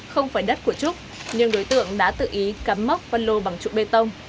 không phải đất của trúc nhưng đối tượng đã tự ý cắm móc phân lô bằng trụ bê tông